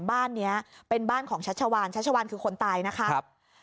บ้านนี้เป็นบ้านของชัชวานชัชวานคือคนตายนะครับ